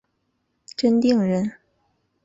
真定人。